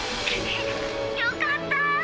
よかった。